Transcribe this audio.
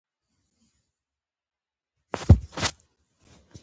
د کور لپاره څه شی اړین دی؟